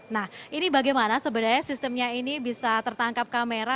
nah ini bagaimana sebenarnya sistemnya ini bisa tertangkap kamera